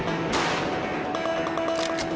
ini kelinci bawa saya